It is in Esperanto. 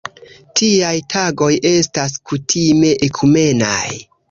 Tiaj tagoj estas kutime ekumenaj.